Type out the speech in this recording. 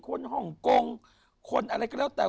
ฮ่องกงคนอะไรก็แล้วแต่